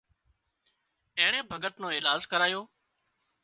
اينڻي ڀڳت نو ايلاز ڪرايو